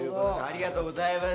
ありがとうございます。